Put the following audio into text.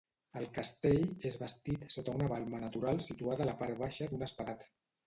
El castell és bastit sota una balma natural situada a la part baixa d'un espadat.